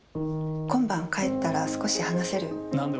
今晩帰ったら少し話せる。